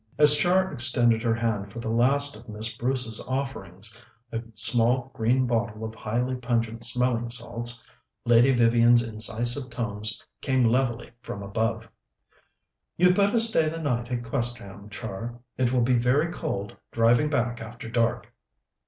As Char extended her hand for the last of Miss Bruce's offerings, a small green bottle of highly pungent smelling salts, Lady Vivian's incisive tones came levelly from above. "You'd better stay the night at Questerham, Char. It will be very cold driving back after dark."